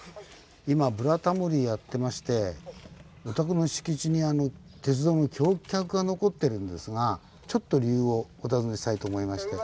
今「ブラタモリ」やってましてお宅の敷地に鉄道の橋脚が残ってるんですがちょっと理由をお尋ねしたいと思いまして。